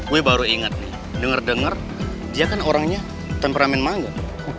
we baru ingat denger dengar dia kan orangnya temperamen banget